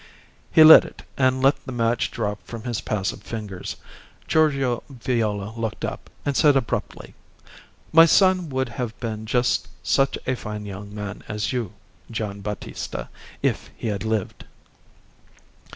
He lit it and let the match drop from his passive fingers. Giorgio Viola looked up, and said abruptly "My son would have been just such a fine young man as you, Gian' Battista, if he had lived."